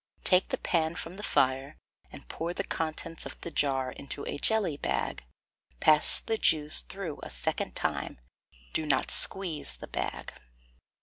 Take the pan from the fire, and pour the contents of the jar into a jelly bag, pass the juice through a second time; do not squeeze the bag.